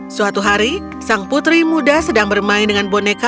suatu hari sang putri muda sedang bermain dengan boneka